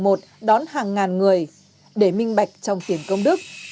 một đón hàng ngàn người để minh bạch trong tiền công đức